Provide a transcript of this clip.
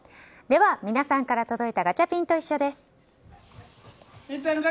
では、みなさんから届いたガチャピンといっしょ！です。